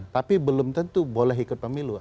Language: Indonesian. tapi belum tentu boleh ikut pemilu